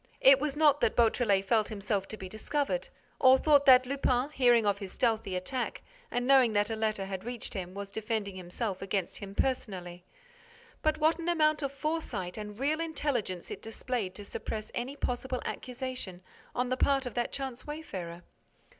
It was not that Beautrelet felt himself to be discovered or thought that Lupin, hearing of his stealthy attack and knowing that a letter had reached him, was defending himself against him personally. But what an amount of foresight and real intelligence it displayed to suppress any possible accusation on the part of that chance wayfarer!